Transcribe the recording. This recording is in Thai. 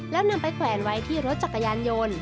แล้วนำไปแขวนไว้ที่รถจักรยานยนต์